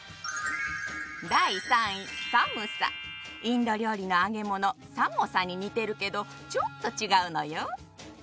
インド料理の揚げ物サモサに似てるけどちょっと違うのよ。